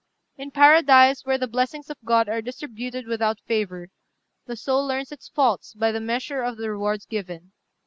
"In paradise, where the blessings of God are distributed without favour, the soul learns its faults by the measure of the rewards given.